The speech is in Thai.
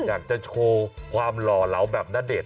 อยากจะโชว์ความหล่อเหลาแบบณเดชน